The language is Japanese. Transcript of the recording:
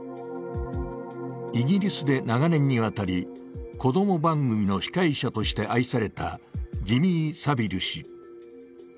イギリスで長年にわたり、子供番組の司会者として愛されたジミー・サヴィル氏。